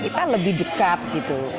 kita lebih dekat gitu